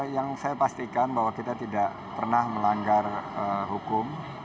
yang saya pastikan bahwa kita tidak pernah melanggar hukum